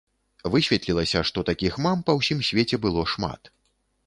Высветлілася, што такіх мам па ўсім свеце было шмат.